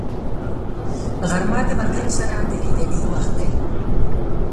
غرمه د ملګرو سره د لیدنې وخت دی